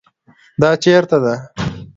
دا چیرته ده؟